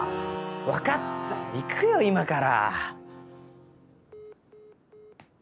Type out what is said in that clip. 分かったよ行くよ今から。